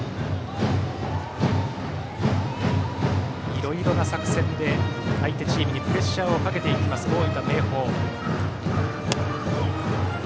いろいろな作戦で相手チームにプレッシャーをかけていきます大分・明豊。